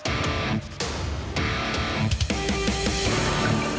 per meningkatkan memiliki mlp